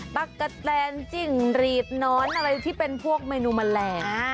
กะแตนจิ้งหรีดน้อนอะไรที่เป็นพวกเมนูแมลง